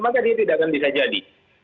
maka dia tidak akan bisa jadi